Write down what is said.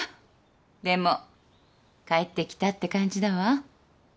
でも帰ってきたって感じだわ。